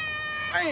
はい！